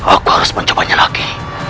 aku harus mencobanya lagi